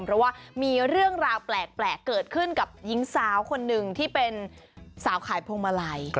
เพราะว่ามีเรื่องราวแปลกเกิดขึ้นกับหญิงสาวคนหนึ่งที่เป็นสาวขายพวงมาลัย